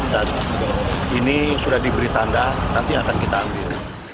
dan ini sudah diberi tanda nanti akan kita ambil